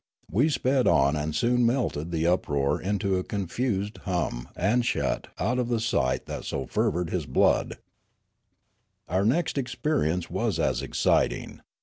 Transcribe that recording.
We sped on and soon melted the uproar into a confused hum and shut out the sight that so fevered his blood. Our next experience was as exciting.